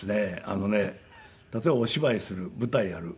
あのね例えばお芝居する舞台やる。